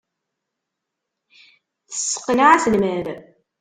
Tesseqneɛ aselmad.